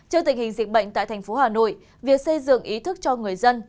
trước tình hình dịch bệnh tại tp hà nội việc xây dựng ý thức cho người dân